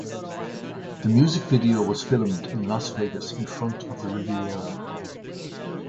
The music video was filmed in Las Vegas in front of the Riviera.